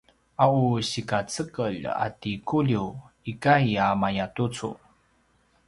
a u sikacekelj a ti Kuliw ikay a mayatucu